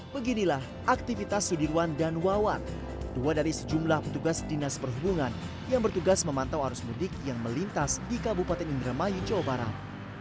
beginilah aktivitas sudirwan dan wawan dua dari sejumlah petugas dinas perhubungan yang bertugas memantau arus mudik yang melintas di kabupaten indramayu jawa barat